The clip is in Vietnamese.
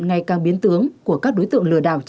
ngày càng biến tướng của các đối tượng lưu